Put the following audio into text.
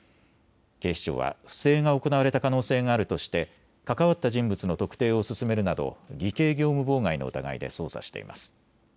警視庁は不正が行われた可能性があるとして関わった人物の特定を進めるなど偽計業務妨害の疑いで捜査しています。